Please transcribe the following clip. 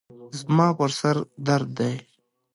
زما پر سر درد دی.